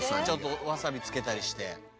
ちょっとわさびつけたりして。